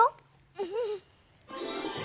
うん！